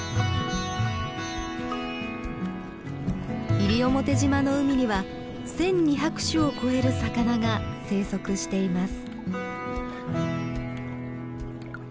西表島の海には１，２００種を超える魚が生息しています。